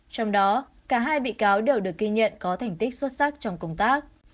trong đó cả hai bị cáo đều được ghi nhận có thành tích xuất sắc trong công tác